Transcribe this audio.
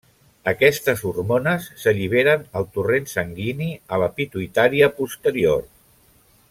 Aquestes hormones s'alliberen al torrent sanguini a la pituïtària posterior.